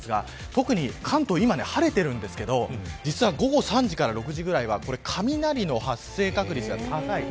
特に関東は晴れているんですけど実は午後３時から６時くらいは雷の発生確率が高い。